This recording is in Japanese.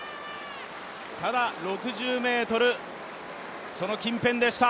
ただ６０ｍ、その近辺でした。